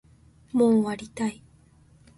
もう終わりたい